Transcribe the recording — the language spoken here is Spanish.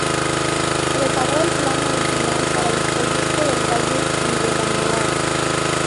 Preparó el plan original para el proyecto del Valle de Damodar.